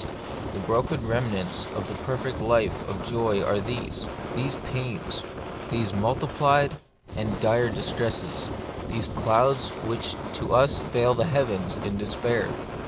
The broken remnants of the perfect life of joy are these : these pains, The Mystery of Pain, 69 these multiplied and dire distresses, these clouds which to us veil the heavens in despair.